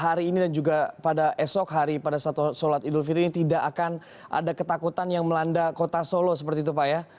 hari ini dan juga pada esok hari pada saat sholat idul fitri ini tidak akan ada ketakutan yang melanda kota solo seperti itu pak ya